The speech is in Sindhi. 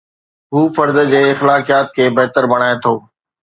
هو فرد جي اخلاقيات کي بهتر بڻائي ٿو.